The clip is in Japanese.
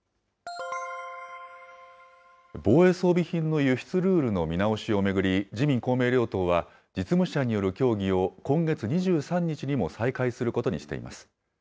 防衛装備品の輸出ルールの見直しを巡り、自民、公明両党は実務者による協議を今月２３日にも再開することにしています。